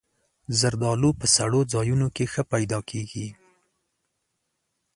زردالو په سړو ځایونو کې ښه پیدا کېږي.